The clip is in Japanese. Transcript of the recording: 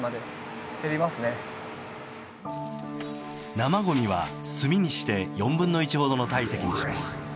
生ごみは炭にして４分の１ほどの体積にします。